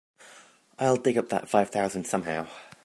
I'll dig up that five thousand somehow.